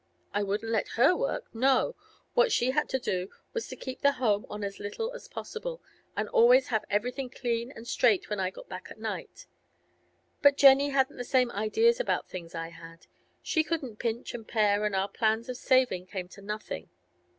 I wouldn't let her work; no, what she had to do was to keep the home on as little as possible, and always have everything clean and straight when I got back at night. But Jenny hadn't the same ideas about things as I had. She couldn't pinch and pare, and our plans of saving came to nothing.